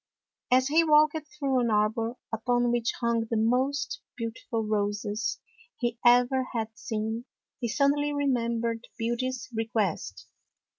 As he walked through an arbor upon which hung the most beautiful roses he ever had seen, he suddenly remembered Beauty's request.